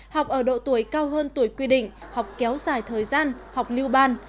học ở độ tuổi cao hơn tuổi quy định học kéo dài thời gian học lưu ban